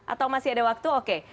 atau masih ada waktu oke